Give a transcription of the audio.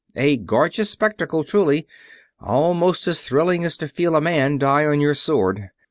A gorgeous spectacle, truly, almost as thrilling as to feel a man die on your sword.